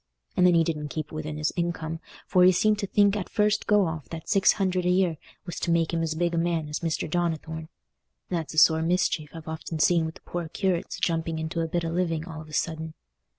And then he didn't keep within his income, for he seemed to think at first go off that six hundred a year was to make him as big a man as Mr. Donnithorne. That's a sore mischief I've often seen with the poor curates jumping into a bit of a living all of a sudden.